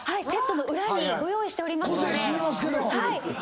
セットの裏にご用意しておりますので。